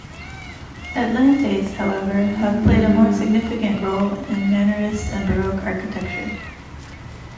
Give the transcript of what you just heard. Atlantes, however, have played a more significant role in Mannerist and baroque architecture.